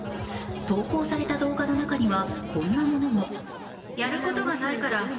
投稿された動画の中には、こんなものも。